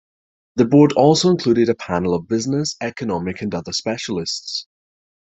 The Board also included a panel of business, economic and other specialists.